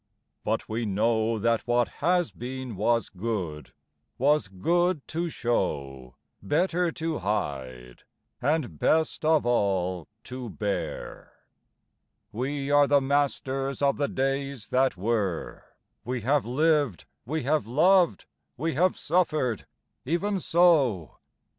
But we know That what has been was good, was good to show, Better to hide, and best of all to bear. We are the masters of the days that were: We have lived, we have loved, we have suffered ... even so.